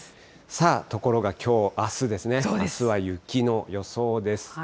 ところがきょう、あすですね、あすは雪の予想です。